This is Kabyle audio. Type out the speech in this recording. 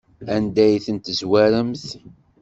Anda ay ten-tezwaremt?